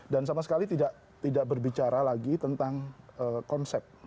dan sama sekali tidak berbicara lagi tentang konsep